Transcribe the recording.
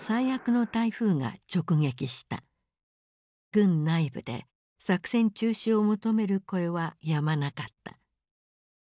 軍内部で作戦中止を求める声はやまなかった。